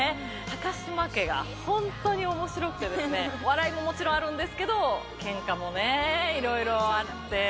高嶋家が本当におもしろくてですね、笑いももちろんあるんですけど、けんかもね、いろいろあって。